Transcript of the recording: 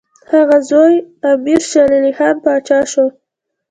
د هغه زوی امیر شېرعلي خان پاچا شو.